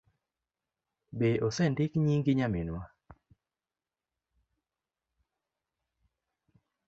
Be osendik nyingi nyaminwa?